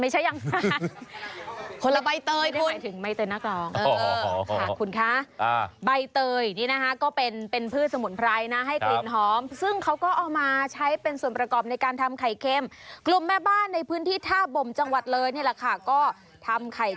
ให้ผืดสมุนไพรให้กลิ่นหอม